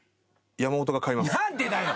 何でだよ。